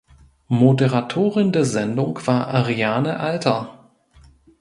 Moderatorin der Sendung war Ariane Alter.